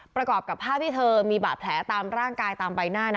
ประกอบกับภาพที่เธอมีบาดแผลตามร่างกายตามใบหน้านะ